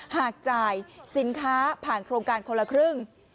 หากจ่ายสินค้าผ่านโครงการคนละครึ่ง